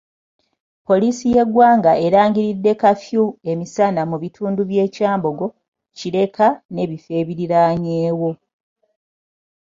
Poliisi y'eggwanga erangiriddde kafyu emisana mu bitundu by'e Kyambogo, Kireka n'ebifo ebiriraanyeewo